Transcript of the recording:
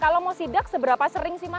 kalau mau sidak seberapa sering sih mas